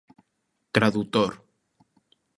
Tradutor.